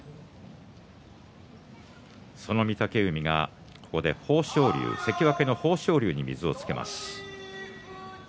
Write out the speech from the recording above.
その御嶽海はここで関脇の豊昇龍に水をつけます。